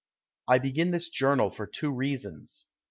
I begin this journal for two reasons.